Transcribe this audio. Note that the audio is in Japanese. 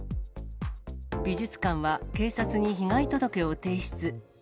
美術館は警察に被害届を提出。